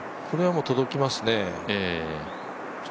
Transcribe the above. これはもう届きますね。